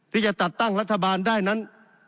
ที่จะจัดตั้งรัฐบาลได้นั้น